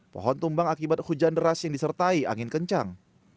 pohon tumbang akibat hujan deras yang disertai angin kencang